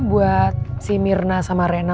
buat si mirna sama rena